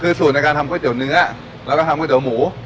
คือสูตรในการทำก๋วยเตี๋ยวเนื้อแล้วก็ทำก๋วเตี๋ยหมู